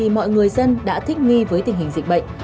mọi người dân đã thích nghi với tình hình dịch bệnh